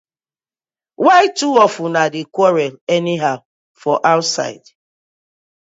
Why two of una dey quarel anyhow for ouside.